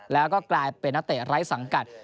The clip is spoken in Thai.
แล้วก็กลายเป็นนักเตะไร้สังกัด